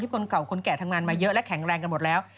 คนเก่าคนแก่ทำงานมาเยอะและแข็งแรงกันหมดแล้ว